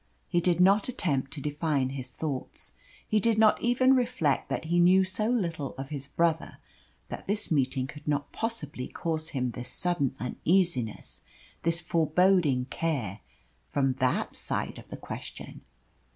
He did not attempt to define his thoughts. He did not even reflect that he knew so little of his brother that this meeting could not possibly cause him this sudden uneasiness, this foreboding care, from THAT side of the question.